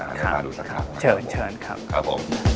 ขอบพระคุณครับ